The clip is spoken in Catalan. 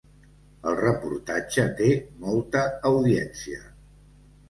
El reportatge té molta audiència.